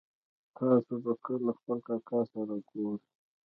تاسو به کله خپل کاکا سره ګورئ